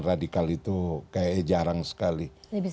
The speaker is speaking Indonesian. radikal itu kayaknya jarang sekali